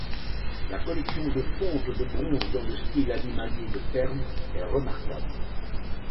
La collection de fontes de bronze dans le Style animalier de Perm est remarquable.